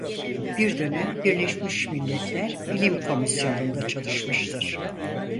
Bir dönem Birleşmiş Milletler Bilim Komisyonunda çalışmıştır.